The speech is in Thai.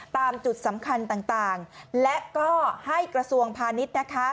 ตามจุดสำคัญต่างและก็ให้กระทรวงพาณิชย์นะคะ